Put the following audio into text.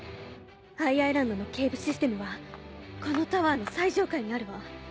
Ｉ・アイランドの警備システムはこのタワーの最上階にあるわ。